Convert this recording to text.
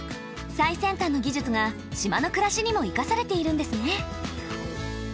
最先端の技術が島の暮らしにも生かされているんですね。